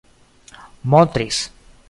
montris